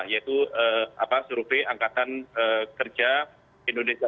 yaitu survei angkatan kerja indonesia